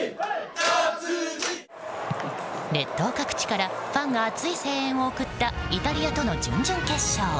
列島各地からファンが熱い声援を送ったイタリアとの準々決勝。